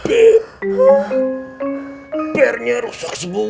biarnya rusak sebuah